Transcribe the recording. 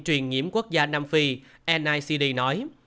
truyền nhiễm quốc gia nam phi nicd nói